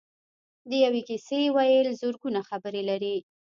د یوې کیسې ویل زرګونه خبرې لري.